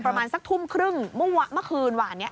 ประมาณสักทุ่มครึ่งเมื่อวะเมื่อคืนว่านี้